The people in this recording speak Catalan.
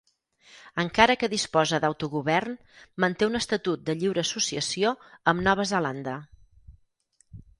Encara que disposa d'autogovern, manté un estatut de lliure associació amb Nova Zelanda.